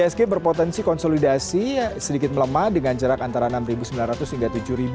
isg berpotensi konsolidasi sedikit melemah dengan jarak antara enam sembilan ratus hingga tujuh